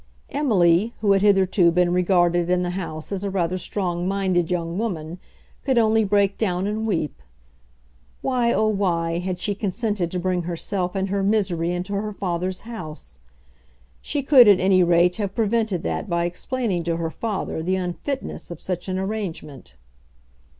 Emily, who had hitherto been regarded in the house as a rather strong minded young woman, could only break down and weep. Why, oh why, had she consented to bring herself and her misery into her father's house? She could at any rate have prevented that by explaining to her father the unfitness of such an arrangement.